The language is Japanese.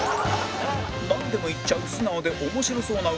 なんでも言っちゃう素直で面白そうな兎に